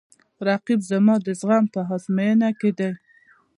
رقیب زما د زغم په ازموینه کې دی